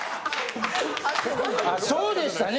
そうでしたね。